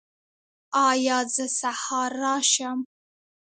ایا زه سهار راشم؟